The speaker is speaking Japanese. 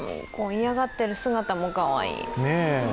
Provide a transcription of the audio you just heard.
嫌がっている姿もかわいい。